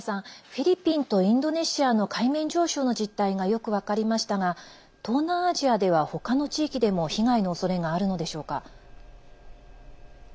フィリピンとインドネシアの海面上昇の実態がよく分かりましたが東南アジアでは、他の地域でも被害の恐れがあるのでしょうか。